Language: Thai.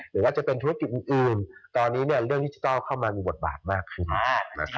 หรือว่าจะเป็นธุรกิจอื่นตอนนี้เรื่องดิจิทัลเข้ามามีบทบาทมากขึ้น